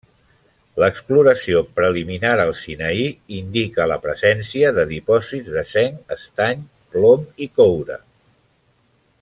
L'exploració preliminar al Sinaí indica la presència de dipòsits de zinc, estany, plom i coure.